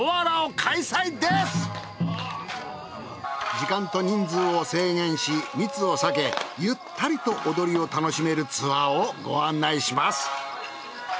時間と人数を制限し密を避けゆったりと踊りを楽しめるツアーをご案内します。